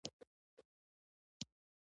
سړی ورو ولاړ شو.